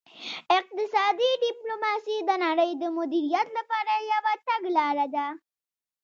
اقتصادي ډیپلوماسي د نړۍ د مدیریت لپاره یوه تګلاره ده